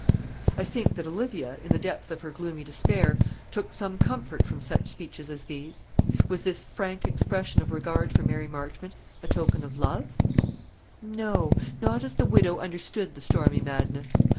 I think that Olivia, in the depth of her gloomy despair, took some comfort from such speeches as these. Was this frank expression of regard for Mary Marchmont a token of love? No; not as the widow understood the stormy madness.